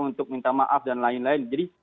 untuk minta maaf dan lain lain jadi